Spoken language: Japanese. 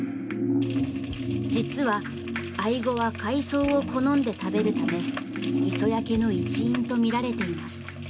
実は、アイゴは海藻を好んで食べるため磯焼けの一因とみられています。